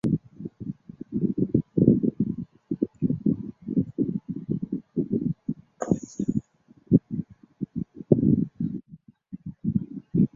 Pero no fue hasta sus trece años cuando decidió dedicarse profesionalmente a la natación.